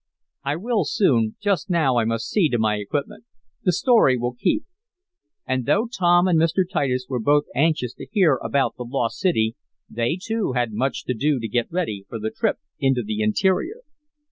"I will soon. Just now I must see to my equipment. The story will keep." And though Tom and Mr. Titus were both anxious to hear about the lost city, they, too, had much to do to get ready for the trip into the interior.